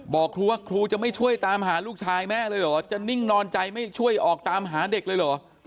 บอกครูว่าครูจะไม่ช่วยตามหาลูกชายแม่เลยเหรอจะนิ่งนอนใจไม่ช่วยออกตามหาเด็กเลยเหรอ